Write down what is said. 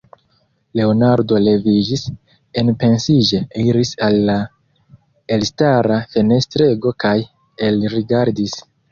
Leonardo leviĝis, enpensiĝe iris al la elstara fenestrego kaj elrigardis.